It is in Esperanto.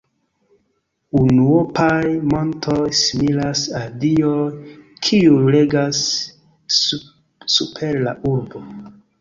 Unuopaj montoj similas al dioj, kiuj regas super la urbo.